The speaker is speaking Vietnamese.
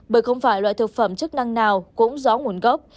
bởi không phải loại thực phẩm chức năng nào cũng rõ nguồn gốc